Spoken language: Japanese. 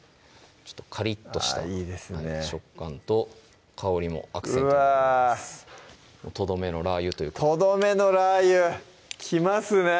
カリッとした食感と香りもアクセントになりますとどめのラー油ということでとどめのラー油きますね